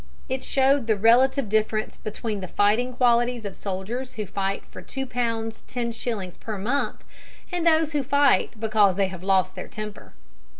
It showed the relative difference between the fighting qualities of soldiers who fight for two pounds ten shillings per month and those who fight because they have lost their temper.